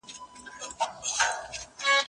د ډوډۍ وخت راورسید.